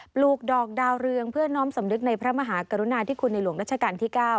ปลูกดอกดาวเรืองเพื่อน้อมสำนึกในพระมหากรุณาที่คุณในหลวงรัชกาลที่๙